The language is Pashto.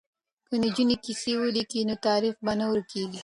که نجونې کیسې ولیکي نو تاریخ به نه ورکيږي.